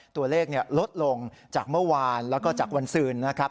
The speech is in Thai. ตัวเลขลดลงจากเมื่อวานแล้วก็จากวันศืนนะครับ